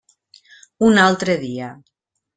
Un altre dia.